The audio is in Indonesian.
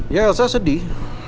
ya elsa sedih